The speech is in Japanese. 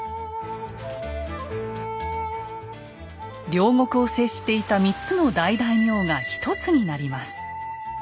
領国を接していた３つの大大名が一つになります。